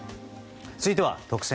続いては、特選！！